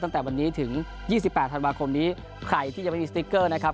ตั้งแต่วันนี้ถึง๒๘ธันวาคมนี้ใครที่จะไม่มีสติ๊กเกอร์นะครับ